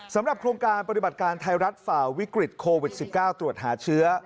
สำหรับโครงการปฏิบัติการไทยรัฐฝ่าวิกฤตโควิด๑๙ตรวจหาเชื้อ